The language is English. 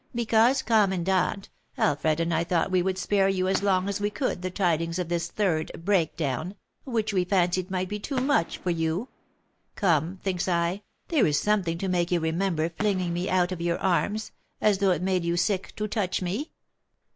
'Because, commandant, Alfred and I thought we would spare you as long as we could the tidings of this third breakdown, which we fancied might be too much for you.' Come, thinks I, there is something to make you remember flinging me out of your arms, as though it made you sick to touch me.